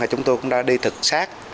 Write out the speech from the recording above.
chúng tôi cũng đã đi thực xác